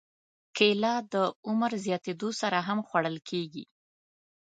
کېله د عمر زیاتېدو سره هم خوړل کېږي.